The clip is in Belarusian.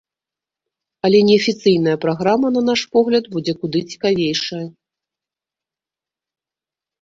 Але неафіцыйная праграма, на наш погляд, будзе куды цікавейшая.